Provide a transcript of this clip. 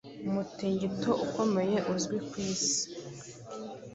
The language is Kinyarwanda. umutingito ukomeye uzwi ku isi